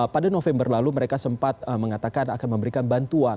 pada november lalu mereka sempat mengatakan akan memberikan bantuan